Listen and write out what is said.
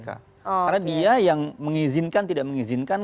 karena dia yang mengizinkan tidak mengizinkan